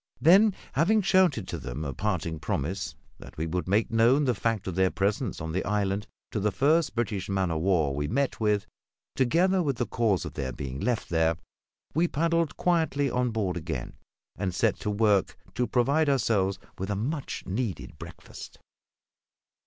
Then, having shouted to them a parting promise that we would make known the fact of their presence on the island to the first British man o' war we met with, together with the cause of their being left there, we paddled quietly on board again, and set to work to provide ourselves with a much needed breakfast.